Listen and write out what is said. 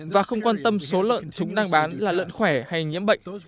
và không quan tâm số lợn chúng đang bán là lợn khỏe hay nhiễm bệnh